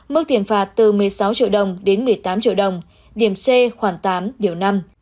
mức tiền phạt từ một mươi sáu triệu đồng đến một mươi tám triệu đồng điểm c khoảng tám điều năm